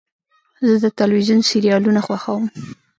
زه د تلویزیون سریالونه خوښوم.